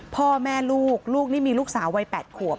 พ่อแม่ลูกลูกนี่มีลูกสาววัย๘ขวบ